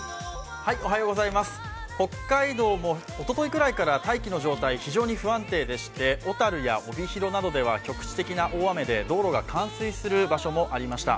北海道もおとといぐらいから大気の状態、非常に不安定でして、小樽や帯広などでは局地的な大雨で道路が冠水する場面もありました。